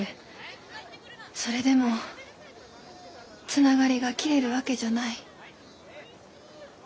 それでもつながりが消えるわけじゃない。